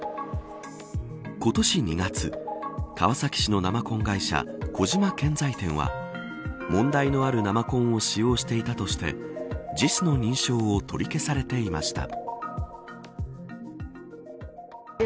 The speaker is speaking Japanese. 今年２月川崎市の生コン会社小島建材店は問題のある生コンを使用していたとしてＪＩＳの認証を取り消されていました。